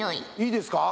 いいですか？